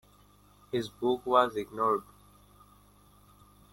His book was ignored.